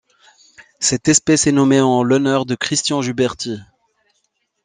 Cette espèce est nommée en l'honneur de Christian Juberthie.